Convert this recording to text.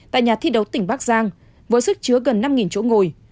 tại nhà thi đấu tỉnh bắc giang với sức chứa gần năm chỗ ngồi